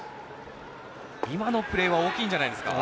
今のプレーは大きいんじゃないですか。